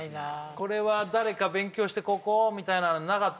これは誰か勉強して「ここ」みたいなのなかった？